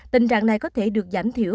tình trạng này có thể được giảm thiểu